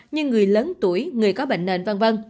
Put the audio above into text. như người lớn tuổi người có bệnh nền v v